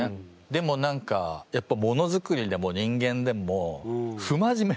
でも何かやっぱものづくりでも人間でもああ。